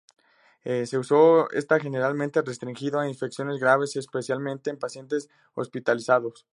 Su uso está generalmente restringido a infecciones graves en principalmente en pacientes hospitalizados.